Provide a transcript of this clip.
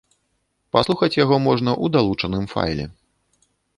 Паслухаць яго можна ў далучаным файле.